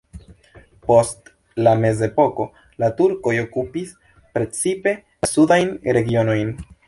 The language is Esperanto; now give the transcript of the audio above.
Post la mezepoko la turkoj okupis precipe la sudajn regionojn.